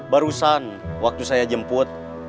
barusan waktu saya jemput